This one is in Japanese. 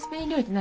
何？